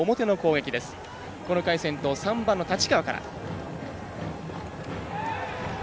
この回先頭、３番の太刀川から。